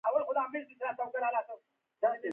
ننګ صېب پښتو کښې َد خپلې شاعرۍ نه علاوه